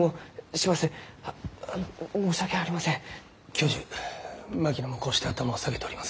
教授槙野もこうして頭を下げております。